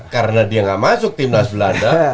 karena dia nggak masuk timnas belanda